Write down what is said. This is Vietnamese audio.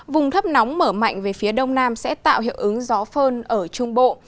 vùng thấp nóng mở mạnh về phía đông nam sẽ tạo hiệu ứng gió phơn ở trung bộ